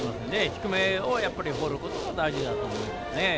低めを放ることが大事だと思います。